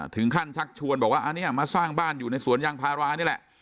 ชักชวนบอกว่าอันนี้มาสร้างบ้านอยู่ในสวนยางพารานี่แหละ